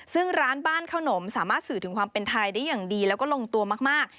ซึ่งร้านบ้านขนมสามารถสื่อถึงความเป็นไทยได้อย่างดีแล้วก็ลงตัวมาก